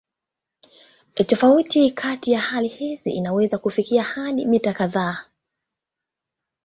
Tofauti kati ya hali hizi inaweza kufikia hadi mita kadhaa.